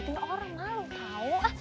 tinggal orang malu tau